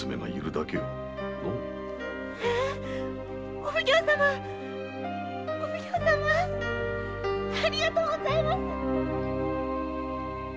お奉行様お奉行様ありがとうございます。